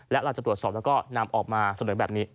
และเราจะตรวจสอบแล้วก็นำออกมาเสนอแบบนี้